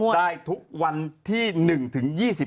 ได้ทุกวันที่๑ถึง๒๕